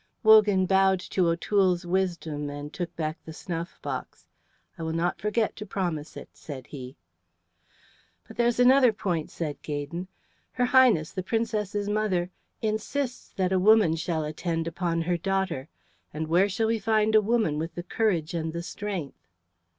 Wogan bowed to O'Toole's wisdom and took back the snuff box. "I will not forget to promise it," said he. "But here's another point," said Gaydon. "Her Highness, the Princess's mother, insists that a woman shall attend upon her daughter, and where shall we find a woman with the courage and the strength?"